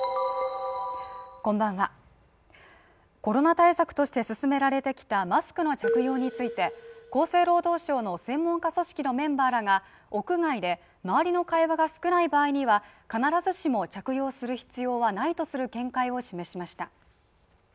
コロナ対策として勧められてきたマスクの着用について厚生労働省の専門家組織のメンバーらが屋外で周りの会話が少ない場合には必ずしも着用する必要はないとする見解を示しました。